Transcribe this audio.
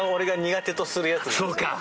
そうか。